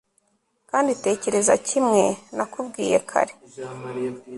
kandi tekereza kimwe nakubwiye kare